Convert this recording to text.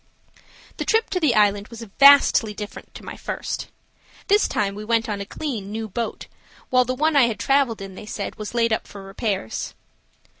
The trip to the island was vastly different to my first. This time we went on a clean new boat, while the one I had traveled in, they said, was laid up for repairs.